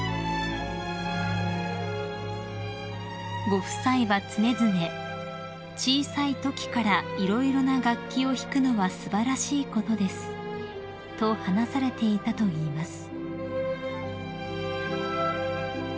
［ご夫妻は常々「小さいときから色々な楽器を弾くのは素晴らしいことです」と話されていたといいます］